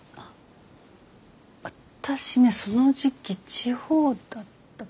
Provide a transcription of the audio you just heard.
私ねその時期地方だった。